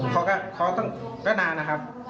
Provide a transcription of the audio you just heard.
เขาก็นานนะครับ